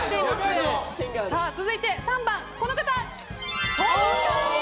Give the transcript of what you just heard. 続いて３番はこの方。